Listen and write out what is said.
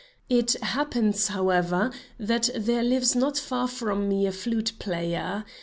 It happens, however, that there lives not far from me a flute player.